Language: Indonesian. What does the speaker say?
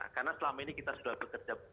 karena selama ini kita sudah bekerja